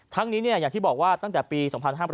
นี้อย่างที่บอกว่าตั้งแต่ปี๒๕๕๘